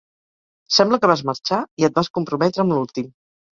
Sembla que vas marxar i et vas comprometre amb l'últim.